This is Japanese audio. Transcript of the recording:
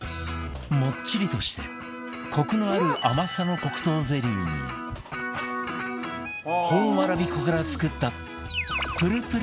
もっちりとしてコクのある甘さの黒糖ゼリーに本わらび粉から作ったぷるぷるのわらび餅をオン